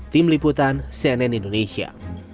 tim liputan cnn indonesia